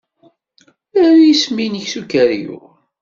Aru isem-nnek s ukeryun.